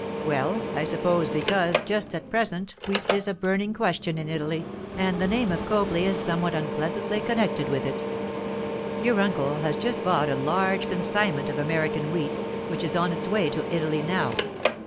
'Well, I suppose because just at present wheat is a burning question in Italy, and the name of Copley is somewhat unpleasantly connected with it. Your uncle has just bought a large consignment of American wheat, which is on its way to Italy now.